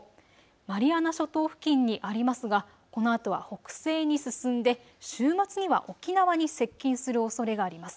マリアナ諸島付近にありますがこのあとは北西に進んで週末には沖縄に接近するおそれがあります。